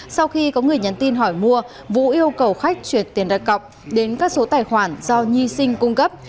sau khi có người nhắn tin hỏi mua vũ yêu cầu khách chuyển tiền đặt cọc đến các số tài khoản do nhi sinh cung cấp